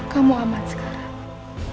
kamu aman sekarang